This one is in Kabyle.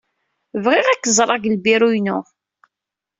Bɣiɣ ad k-ẓreɣ deg lbiru-inu.